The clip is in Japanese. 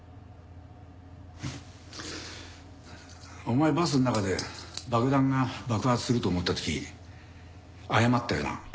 お前バスの中で爆弾が爆発すると思った時謝ったよな？